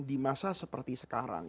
di masa seperti sekarang